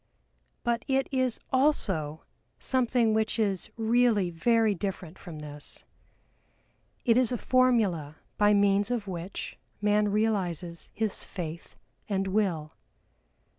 But it is also something which is really very different from this. It is a formula by means of which man realizes his faith and will.